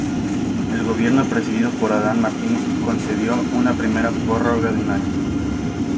El Gobierno presidido por Adán Martín concedió una primera prórroga de un año.